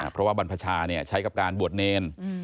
เพราะว่าบรรพชาใช้กับการบวชเนร